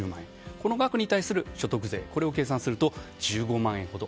この額に対する所得税を計算すると１５万円ほど。